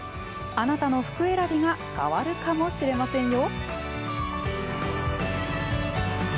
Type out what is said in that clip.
あなたの服選びが変わるかもしれませんよ。